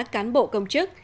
cán bộ công chức